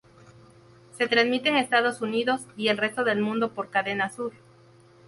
Se transmite en Estados Unidos y el resto del mundo por Cadena Sur.